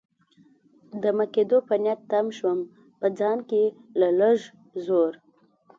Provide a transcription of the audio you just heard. دمه کېدو په نیت تم شوم، په ځان کې له لږ زور.